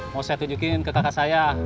mau saya tunjukin ke kakak saya